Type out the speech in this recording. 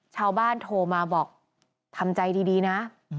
ชาวบ้านโทรมาบอกทำใจดีนะ